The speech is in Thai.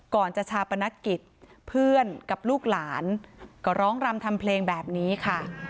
ก่อนจะชาปนกิจเพื่อนกับลูกหลานก็ร้องรำทำเพลงแบบนี้ค่ะ